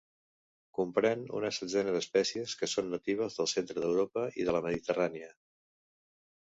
Comprèn una setzena d'espècies que són natives del centre d'Europa i de la Mediterrània.